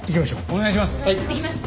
お願いします。